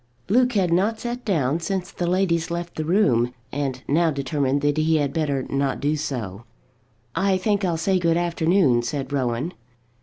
Luke had not sat down since the ladies left the room, and now determined that he had better not do so. "I think I'll say good afternoon," said Rowan.